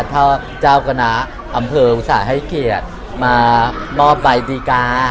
ถ้าเจ้าคณะอำเภออุตส่าห์ให้เกียรติมามอบใบดีกา